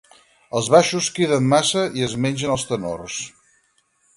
Els baixos criden massa i es mengen els tenors.